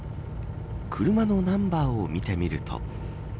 車のナンバーを見てみると。